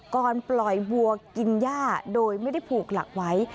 ก่อนปล่อยวัวกินย่าโดยไม่ได้ผูกหลักไว้